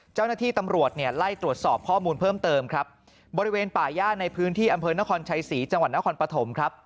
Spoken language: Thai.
เจ้าหน้าที่ตำรวจเนี่ยไล่ตรวจสอบข้อมูลเพิ่มเติมครับบริเวณป่าย่าในพื้นที่อำเภอนครชัยศรีจังหวัดนครปฐมครับ